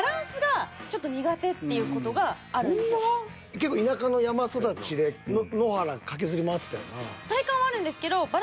結構田舎の山育ちで野原駆けずり回ってたよな？